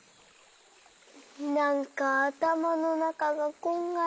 なんかあたまのなかがこんがらがって。